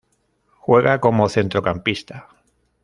Juega como Centrocampista.